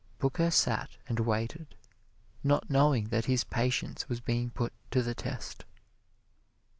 Booker sat and waited, not knowing that his patience was being put to the test.